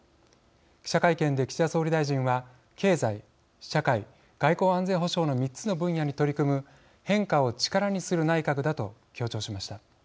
記者会見で、岸田総理大臣は経済・社会・外交安全保障の３つの分野に取り組む変化を力にする内閣だと強調しました。